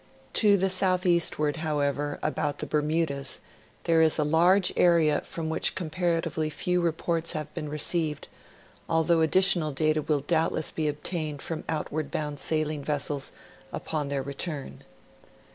To the southeastward, however, about the Bermudas, there is a large area from which comparatively few reports have been received, although additional data will doubtless be obtained from outward bound sailing vessels, upon their return.